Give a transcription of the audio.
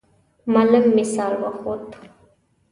معلم مثال وښود.